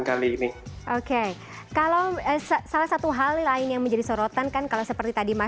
kali ini oke kalau salah satu hal lain yang menjadi sorotan kan kalau seperti tadi mas